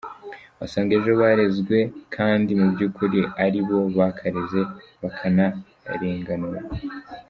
Wasanga ejo barezwe kandi mu by’ukuri ari bo bakareze bakanarenganurwa.